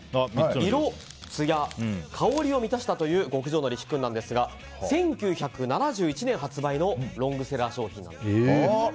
色、つや、香りを満たしたという極上のり紫薫ですが１９７１年発売のロングセラー商品なんです。